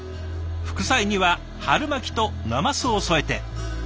副菜には春巻となますを添えて。